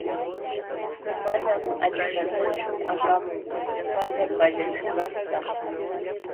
Manam achkatachu apaamun pallapaqllaśhqantam.